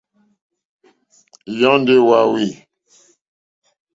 Yɔ́ndɔ̀ é wáwî.